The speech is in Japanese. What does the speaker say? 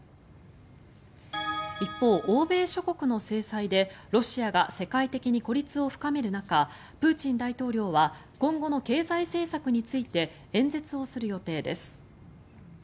一方、欧米諸国の制裁でロシアが世界的に孤立を深める中プーチン大統領は今後の経済政策について演説をする予定です。